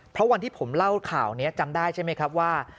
เพราะวันที่ผมเล่าข่าวนี้จำได้ใช่ไหมครับว่า